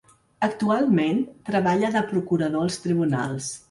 Actualment treballa de procurador als tribunals.